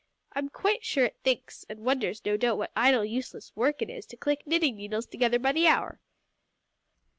I'm quite sure it thinks, and wonders no doubt what idle, useless work it is to click knitting needles together by the hour."